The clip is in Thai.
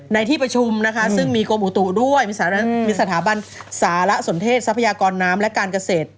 ในที่ประชุมนะคะซึ่งมีกรมอุตุด้วยมีสถาบันสารสนเทศทรัพยากรน้ำและการเกษตร